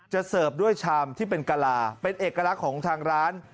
เสิร์ฟด้วยชามที่เป็นกะลาเป็นเอกลักษณ์ของทางร้าน